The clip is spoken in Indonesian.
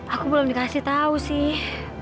aku belum dikasih tahu sih